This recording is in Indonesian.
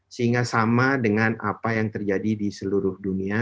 sehingga sama dengan apa yang terjadi di seluruh dunia